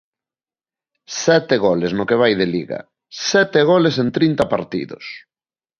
Sete goles no que vai de Liga, sete goles en trinta partidos.